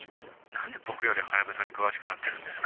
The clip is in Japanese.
「なんで僕よりハヤブサに詳しくなってるんですか」